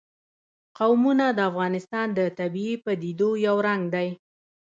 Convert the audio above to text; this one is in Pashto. قومونه د افغانستان د طبیعي پدیدو یو رنګ دی.